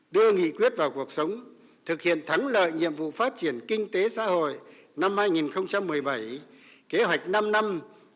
đưa nghị quyết vào cuộc sống thực hiện thắng lợi nhiệm vụ phát triển kinh tế xã hội năm hai nghìn một mươi bảy kế hoạch năm năm hai nghìn hai mươi một hai nghìn hai mươi